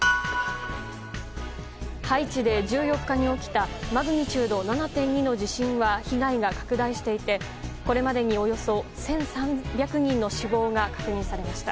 ハイチで１４日に起きたマグニチュード７．２の地震は被害が拡大していてこれまでに、およそ１３００人の死亡が確認されました。